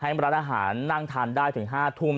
ร้านอาหารนั่งทานได้ถึง๕ทุ่ม